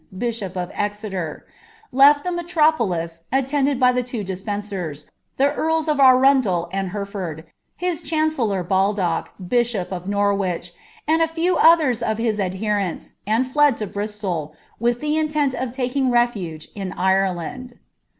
bishop of Exeter, left the metropolis,, attended by the two Des|>eiicav tlie earls of Arundel and Hereford, his cliancellor Baldock, bishop ef Norwich, and a few others of his adherents, and fled to Bristol, wiik the intent of taking refuge in Ireland.'